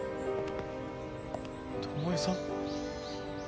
巴さん？